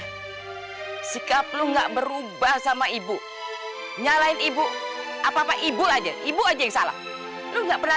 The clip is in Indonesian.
hai sikap lu gak berubah sama ibu nyalahin ibu apa apa ibu aja ibu aja yang salah lu nggak pernah